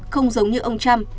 không giống như ông trump